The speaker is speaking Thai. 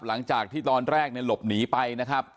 หลังจากที่ตอนแรกเนี่ยหลบหนีไปนะครับ